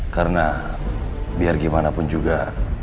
karena biar gimana pun juga